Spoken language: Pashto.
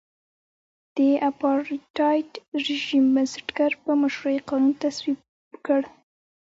د اپارټایډ رژیم بنسټګر په مشرۍ قانون تصویب کړ.